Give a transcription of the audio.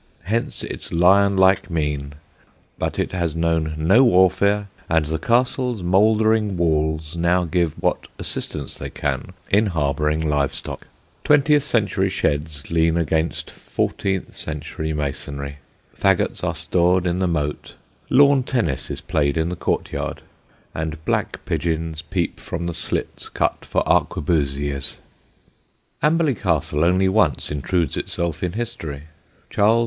Hence its lion like mien; but it has known no warfare, and the castle's mouldering walls now give what assistance they can in harbouring live stock. Twentieth century sheds lean against fourteenth century masonry; faggots are stored in the moat; lawn tennis is played in the courtyard; and black pigeons peep from the slits cut for arquebusiers. [Illustration: Amberley Castle.] Amberley Castle only once intrudes itself in history: Charles II.